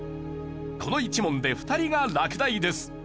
この１問で２人が落第です。